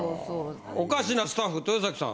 おかしなスタッフ豊崎さん。